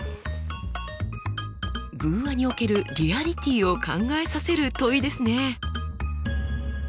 寓話におけるリアリティーを考えさせる問いですね。